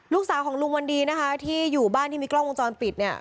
ลูกสาวของลุงวันดีนะคะที่อยู่บ้านที่มีกล้องวงจรปิดเนี่ย